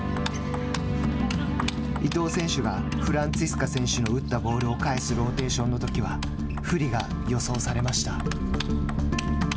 伊藤選手がフランツィスカ選手の打ったボールを返すローテーションのときは不利が予想されました。